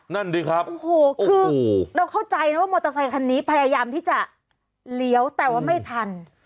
นั่นค่ะแล้วเข้าใจหนึ่งว่ามอเตอร์ไซค์คันนี้ที่จะเลี้ยวแต่ว่าไม่ทัน